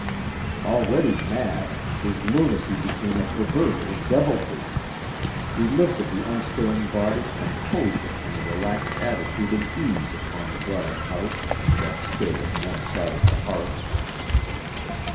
Already mad, his lunacy became a perversion of deviltry. He lifted the unstirring body and posed it in a relaxed attitude of ease upon the broad couch that stood at one side of the hearth.